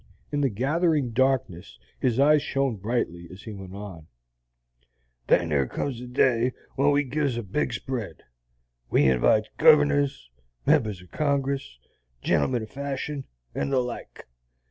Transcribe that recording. In the gathering darkness his eyes shone brightly as he went on: "Then thar comes a day when we gives a big spread. We invites govners, members o' Congress, gentlemen o' fashion, and the like.